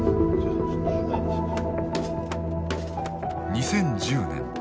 ２０１０年。